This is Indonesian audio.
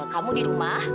kamu di rumah